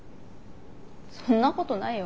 そんなことないよ。